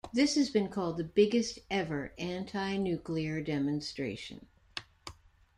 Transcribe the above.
This has been called the "biggest ever anti-nuclear demonstration".